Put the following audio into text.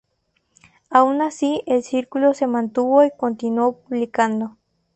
Aun así, el Círculo se mantuvo y continuó publicando.